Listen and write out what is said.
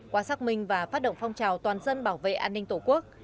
qua xác minh và phát động phong trào toàn dân bảo vệ an ninh tổ quốc